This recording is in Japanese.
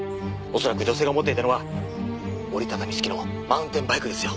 恐らく女性が持っていたのは折り畳み式のマウンテンバイクですよ。